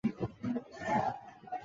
大穆瓦厄夫尔人口变化图示